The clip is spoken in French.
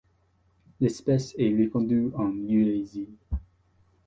L'espèce est répandue en Eurasie.